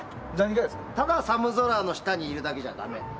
ただ寒空の下にいるだけじゃだめ。